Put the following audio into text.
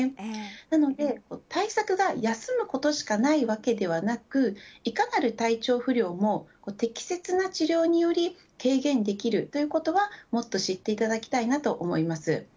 なので、対策が休むことしかないわけではなくいかなる体調不良も適切な治療により軽減できるということはもっと知っていただきたいなと思います。